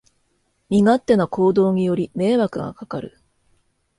身勝手な行動により迷惑がかかる